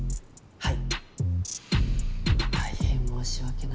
はい。